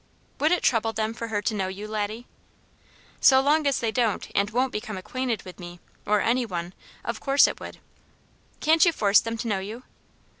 "Would it trouble them for her to know you, Laddie?" "So long as they don't and won't become acquainted with me, or any one, of course it would." "Can't you force them to know you?"